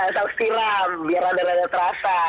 saus tiram biar rada rada terasa